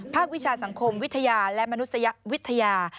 วิชาสังคมวิทยาและมนุษยวิทยา